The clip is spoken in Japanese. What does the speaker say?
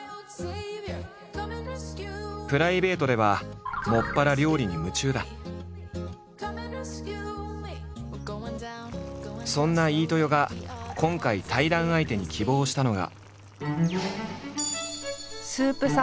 プライベートでは専らそんな飯豊が今回対談相手に希望したのが。